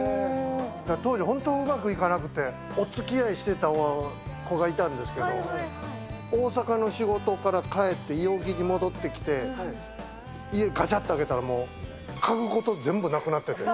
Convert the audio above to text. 当時、本当にうまくいかなくて、おつきあいしてた子がいたんですけど、大阪の仕事から帰って、井荻に戻ってきて、家がちゃって開けたら、もう家具ごと全部なくなってて。